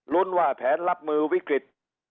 รุ้นว่าแผนรับมือวิกฤต